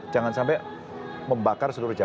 jangan sampai membakar seluruh jawa